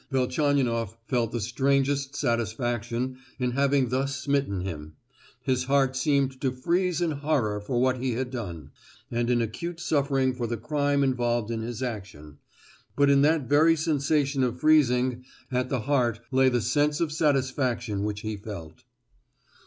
Velchaninoff felt the strangest satisfaction in having thus smitten him; his heart seemed to freeze in horror for what he had done, and in acute suffering for the crime involved in his action,—but in that very sensation of freezing at the heart lay the sense of satisfaction which he felt.